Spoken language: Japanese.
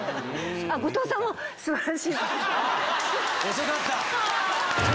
遅かった！